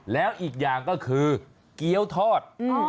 แล้วอีกอย่างก็คือเกี้ยวทอด